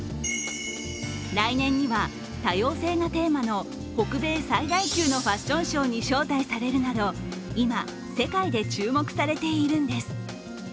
来年には多様性がテーマの北米最大級のファッションショーに招待されるなど今、世界で注目されているんです。